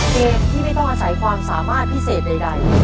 เกมที่ไม่ต้องอาศัยความสามารถพิเศษใด